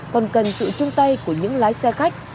còn cần sự chung tay của những lái xe khách